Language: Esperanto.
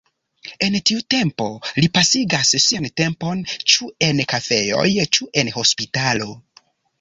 En tiu tempo li pasigas sian tempon ĉu en kafejoj ĉu en hospitalo.